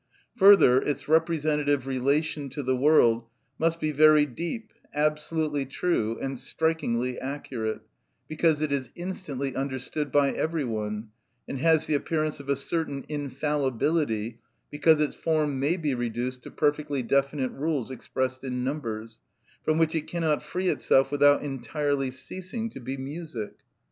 Further, its representative relation to the world must be very deep, absolutely true, and strikingly accurate, because it is instantly understood by every one, and has the appearance of a certain infallibility, because its form may be reduced to perfectly definite rules expressed in numbers, from which it cannot free itself without entirely ceasing to be music.